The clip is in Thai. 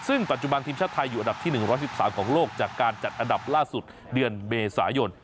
ซึ่งปัจจุบันทีมชาติไทยอยู่อันดับที่๑๑๓ของโลกจากการจัดอันดับล่าสุดเดือนเมษายน